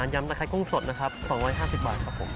ยำตะไคกุ้งสดนะครับ๒๕๐บาทครับผม